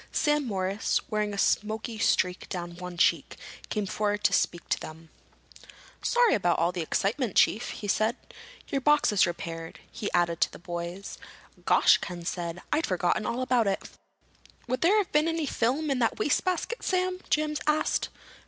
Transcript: Sam Morris, wearing a smoky streak down one cheek, came forward to speak to them. "Sorry about all the excitement, Chief," he said. "Your box is repaired," he added to the boys. "Gosh!" Ken said. "I'd forgotten all about it." "Would there have been any film in that wastebasket, Sam?" James asked.